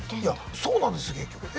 そうなんですよ結局。え？